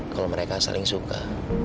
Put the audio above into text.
kalau mereka saling suka